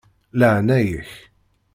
Laεnaya-k.